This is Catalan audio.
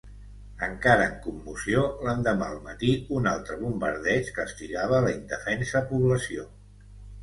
Encara en commoció, l'endemà al matí un altre bombardeig castigava la indefensa població.